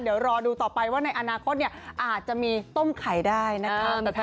เดี๋ยวรอดูต่อไปว่าในอนาคตอาจจะมีต้มไข่ได้นะคะ